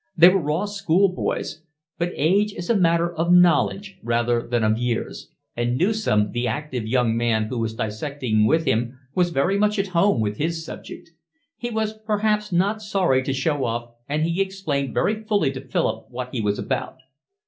They were raw schoolboys. But age is a matter of knowledge rather than of years; and Newson, the active young man who was dissecting with him, was very much at home with his subject. He was perhaps not sorry to show off, and he explained very fully to Philip what he was about.